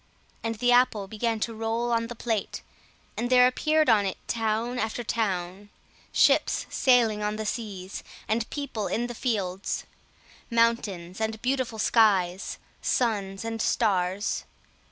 And the apple began to roll on the plate, and there appeared on it town after town; ships sailing on the seas, and people in the fields; mountains and beautiful skies; suns and stars.